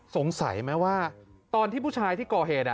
สงสัยไหมว่าตอนที่ผู้ชายที่ก่อเหตุ